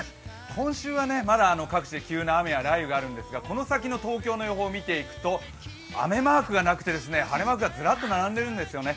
今週はまだ各地、急な雨や雷雨があるんですがこの先の東京の予報を見ていくと雨マークがなくて、晴れマークがずらっと並んでいるんですよね。